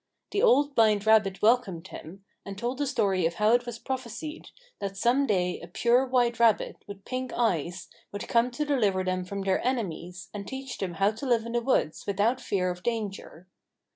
The Old Blind Rabbit welcomed him, and told the story of how it was prophesied that some day a pure white rabbit, with pink eyes, would come to deliver them from their enemies, and teach them how to live in the woods without fear of danger.